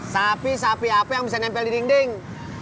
sapi sapi apa yang bisa nempel di dinding